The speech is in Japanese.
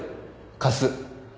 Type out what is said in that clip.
貸す。